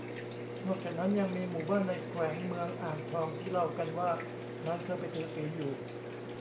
นอกจากนั้น ยังมีหมู่บ้านในแขวงเมืองอ่างทองที่เล่ากันว่านางเคยไปถือศีลอยู่